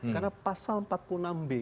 karena pasal empat puluh enam b